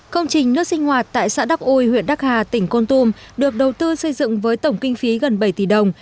công trình nước sinh hoạt tại xã đắc ôi huyện đắc hà tỉnh con tum được đầu tư xây dựng với tổng kinh phí gần bảy tỷ đồng